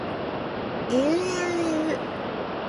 えうえうえう